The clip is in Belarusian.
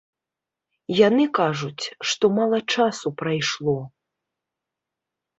Яны кажуць, што мала часу прайшло.